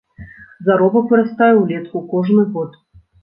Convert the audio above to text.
Заробак вырастае ўлетку кожны год.